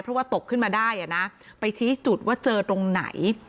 เพราะว่าตกขึ้นมาได้อ่ะนะไปชี้จุดว่าเจอตรงไหน